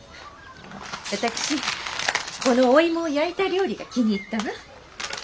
私このお芋を焼いた料理が気に入ったわ。